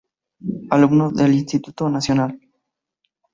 Alumno del Instituto Nacional.